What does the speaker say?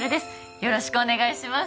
よろしくお願いします